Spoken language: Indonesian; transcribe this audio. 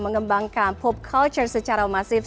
mengembangkan pop culture secara masif